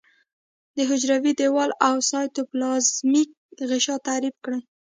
د حجروي دیوال او سایتوپلازمیک غشا تعریف کړي.